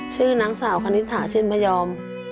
ชื่อนางสาวคณิตถาเช่นพยอม